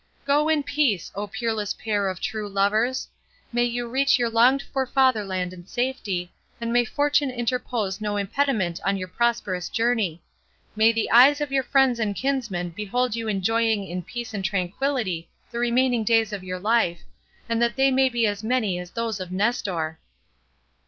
Go in peace, O peerless pair of true lovers! May you reach your longed for fatherland in safety, and may fortune interpose no impediment to your prosperous journey; may the eyes of your friends and kinsmen behold you enjoying in peace and tranquillity the remaining days of your life and that they may be as many as those of Nestor!"